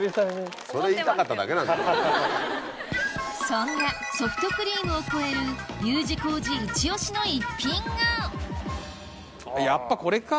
そんなソフトクリームを超えるＵ字工事イチ押しの逸品がやっぱこれか。